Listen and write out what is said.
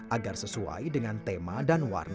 agar sesuai dengan tema dan warna